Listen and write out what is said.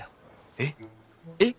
えっ？えっ！？